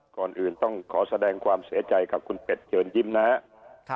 ก่อนอื่นต้องขอแสดงความเสียใจกับคุณเป็ดเชิญยิ้มนะครับ